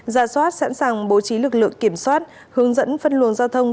ra soát sẵn sàng bố trí lực lượng kiểm soát hướng dẫn phân luồng giao thông